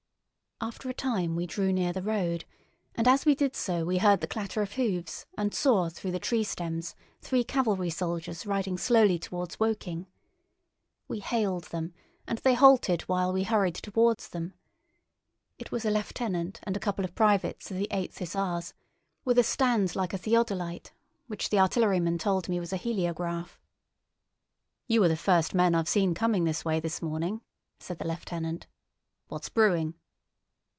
After a time we drew near the road, and as we did so we heard the clatter of hoofs and saw through the tree stems three cavalry soldiers riding slowly towards Woking. We hailed them, and they halted while we hurried towards them. It was a lieutenant and a couple of privates of the 8th Hussars, with a stand like a theodolite, which the artilleryman told me was a heliograph. "You are the first men I've seen coming this way this morning," said the lieutenant. "What's brewing?"